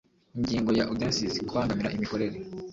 Ingingo ya undecies Kubangamira imikorere